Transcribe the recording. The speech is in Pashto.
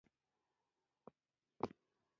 رسوب د افغانستان د پوهنې په نصاب کې شامل دي.